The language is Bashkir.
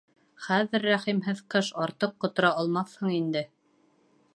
Хәҙер, рәхимһеҙ ҡыш, артыҡ ҡотора алмаҫһың инде.